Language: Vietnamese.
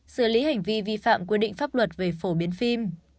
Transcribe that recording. xử lý hành vi vi phạm quy định pháp luật về phổ biến phim